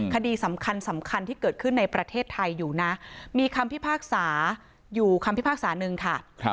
คดีสำคัญสำคัญที่เกิดขึ้นในประเทศไทยอยู่นะมีคำพิพากษาอยู่คำพิพากษาหนึ่งค่ะ